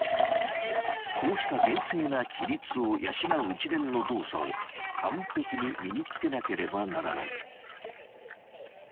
［こうした厳正な規律を養う一連の動作を完璧に身に付けなければならない］